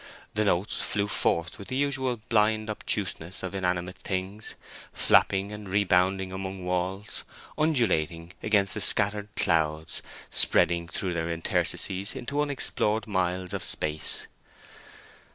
The notes flew forth with the usual blind obtuseness of inanimate things—flapping and rebounding among walls, undulating against the scattered clouds, spreading through their interstices into unexplored miles of space.